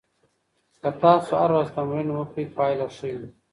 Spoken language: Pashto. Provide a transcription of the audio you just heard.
که تاسو هره ورځ تمرین وکړئ، پایله ښه وي.